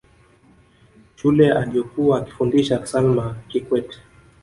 shule aliyokuwa akifundisha salma kikwete